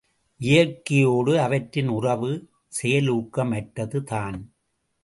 இயற்கையோடு அவற்றின் உறவு, செயலூக்கமற்றது தான்.